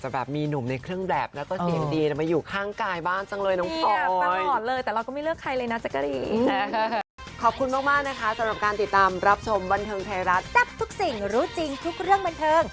บรรเทิงไทยรัฐจับทุกสิ่งรู้จริงทุกเรื่องบรรเทิง